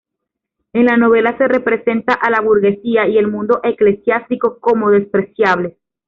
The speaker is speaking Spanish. En la novela, se representa a la burguesía y el mundo eclesiástico como despreciables.